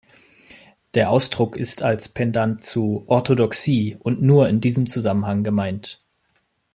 Der Ausdruck ist als Pendant zu "Orthodoxie" und nur in diesem Zusammenhang gemeint.